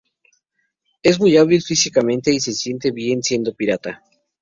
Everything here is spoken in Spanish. Es muy hábil físicamente y se siente bien siendo pirata.